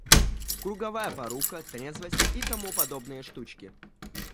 Круговая порука, трезвость и тому подобные штучки.